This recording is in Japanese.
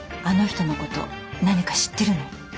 あの人のこと何か知ってるの？